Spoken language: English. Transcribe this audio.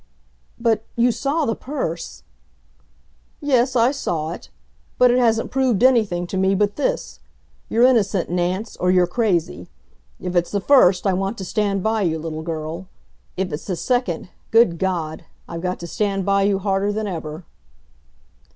"But you saw the purse." "Yes, I saw it. But it hasn't proved anything to me but this: you're innocent, Nance, or you're crazy. If it's the first, I want to stand by you, little girl. If it's the second good God! I've got to stand by you harder than ever."